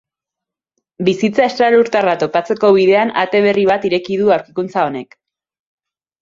Bizitza estralurtarra topatzeko bidean ate berri bat ireki du aurkikuntza honek.